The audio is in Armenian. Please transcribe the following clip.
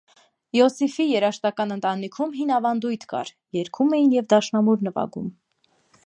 Իոսիֆի երաժշտական ընտանիքում հին ավանդույթ կար՝ երգում էին և դաշնամուր նվագում։